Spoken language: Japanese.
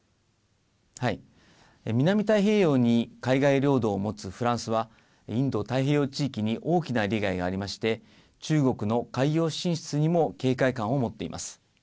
南太平洋に海外領土を持つフランスは、インド太平洋地域に大きな利害がありまして、中国の海洋進出にも警戒感を持っています。